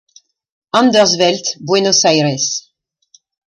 Anderswelt, Buenos Aires.